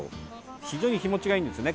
非常に日もちがいいんですね。